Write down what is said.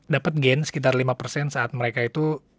dapet gain sekitar lima saat mereka itu